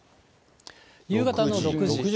夕方の６時。